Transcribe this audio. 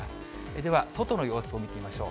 では外の様子を見てみましょう。